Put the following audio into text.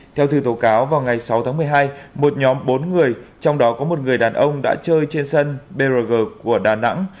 theo thư tố cáo vào ngày sáu tháng một mươi hai một nhóm bốn người trong đó có một người đàn ông đã chơi trên sân brg của đà nẵng